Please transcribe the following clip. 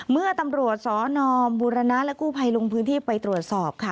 เมื่อตำรวจสนบูรณะและกู้ภัยลงพื้นที่ไปตรวจสอบค่ะ